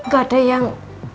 gak ada yang